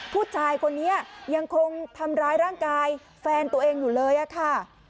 ผู้ชายคนนี้ยังคงทำร้ายร่างกายแฟนตัวเองอยู่เลยอะค่ะ